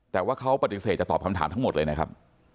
แต่ว่าเขาปฏิเสธจะตอบคำถามทั้งหมดเลยนะครับ